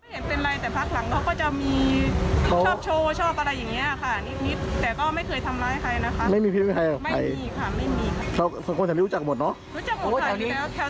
ก็ไม่บ้าอะไรเขาก็ไม่มีอะไรไม่มีปัญหาหลังใครไม่ทำร้ายใคร